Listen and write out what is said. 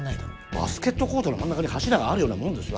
バスケットコートの真ん中に柱があるようなもんですよ。